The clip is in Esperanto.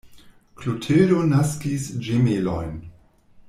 Klotildo naskis ĝemelojn.